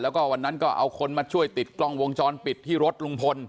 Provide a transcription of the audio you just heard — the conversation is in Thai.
แล้วก็วันนั้นก็เอาคนมาช่วยติดกล้องวงจรปิดที่รถลุงพล